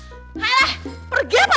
ya allah pergi apa